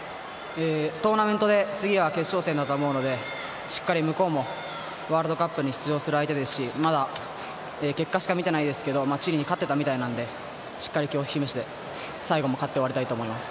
トーナメントで次は決勝戦だと思いますのでしっかり向こうもワールドカップに出場する相手ですし、まだ結果しか見てないですけどチリに勝ってたみたいなんでしっかり、最後も勝って終わりたいと思います。